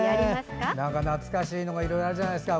懐かしいのがいろいろあるじゃないですか。